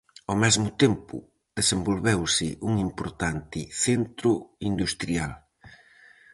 Ao mesmo tempo, desenvolveuse un importante centro industrial.